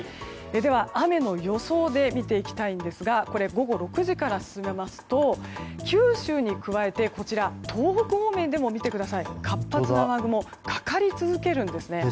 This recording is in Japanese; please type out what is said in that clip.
では、雨の予想で見ていきたいんですが午後６時から進めますと九州に加えて東北方面でも活発な雨雲がかかり続けるんですね。